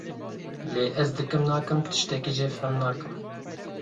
Lê ez dikim nakim tiştekî jê fêm nakim.